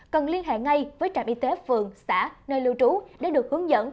cần liên hệ ngay với trạm y tế phường xã nơi lưu trú để được hướng dẫn